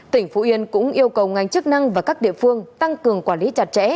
tỉnh phú yên cũng yêu cầu ngành chức năng và các địa phương tăng cường quản lý chặt chẽ